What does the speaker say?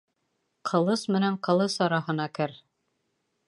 Ҡылыс менән ҡылыс араһына кер.